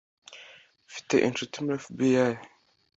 Mfite inshuti muri FBI